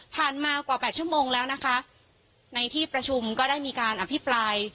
มากว่าแปดชั่วโมงแล้วนะคะในที่ประชุมก็ได้มีการอภิปราย